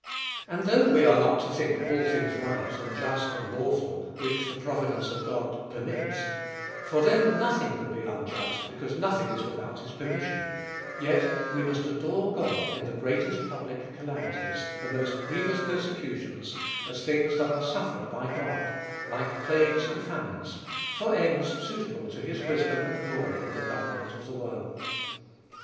And though we are not to think all things right, and just, and lawful, which the providence of God permits ; for then nothing could be unjust, be cause nothing is without his permission; yet we must adore God in the greatest public calamities, the most grievous persecutions, as things that are suffered by God, like plagues and famines, for ends suitable to his wisdom and glory in the government of the world.